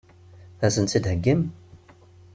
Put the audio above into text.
Ad sen-tt-id-theggim?